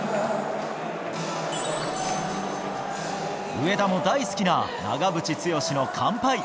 上田も大好きな長渕剛の乾杯。